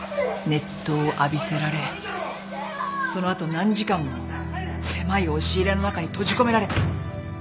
熱湯を浴びせられその後何時間も狭い押し入れの中に閉じ込められた。